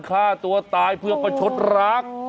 ฆ่าตัวตายเพื่อประชดรัก